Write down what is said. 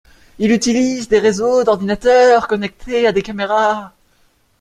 Il utilise des réseaux d'ordinateurs connectés à des caméras.